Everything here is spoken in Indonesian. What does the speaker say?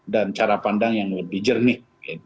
dan cara pandang yang lebih jernih